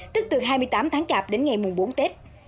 tức từ hai mươi tám tháng chạp đến ngày mùng bốn tết